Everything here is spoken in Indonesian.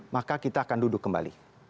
maka kita akan duduk kembali